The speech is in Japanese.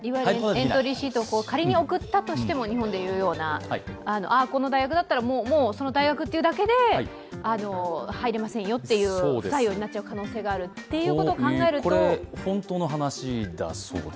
エントリーシートを仮に送ったとしてもああ、この大学だと、その大学というだけで、入れませんよっていう不採用になっちゃう可能性があるっていうことを考えるとこれ、本当の話だそうです。